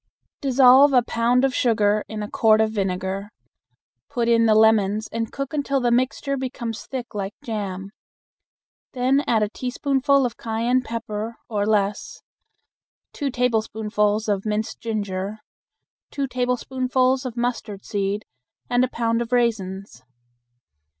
Dissolve a pound of sugar in a quart of vinegar; put in the lemons and cook until the mixture becomes thick like jam. Then add a teaspoonful of cayenne pepper (or less), two tablespoonfuls of minced ginger, two tablespoonfuls of mustard seed, and a pound of raisins.